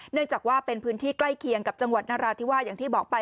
เนื่องจากว่าเป็นพื้นที่ใกล้เคียงกับจังหวัดนราธิวาสอย่างที่บอกไป